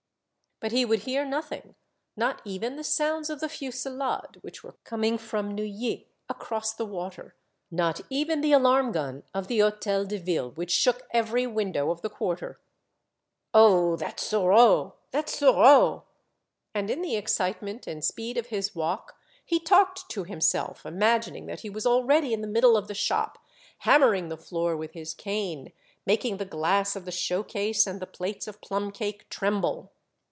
But he would hear nothing, not even the sounds of the fusillade, which were coming from Neuilly across the water, not even the alarm gun of the Hotel de Ville, which shook every window of the quarter. 1 82 Monday Tales, " Oh ! that Sureau ! that Sureau !" And in the excitement and speed of his walk he talked to himself, imagining that he was already in the middle of the shop, hammering the floor with his cane, making the glass of the showcase and the plates of plum cake tremble.